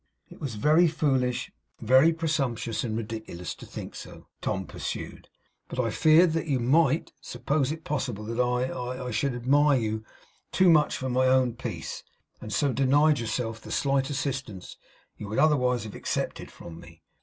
'It was very foolish; very presumptuous and ridiculous, to think so,' Tom pursued; 'but I feared you might suppose it possible that I I should admire you too much for my own peace; and so denied yourself the slight assistance you would otherwise have accepted from me.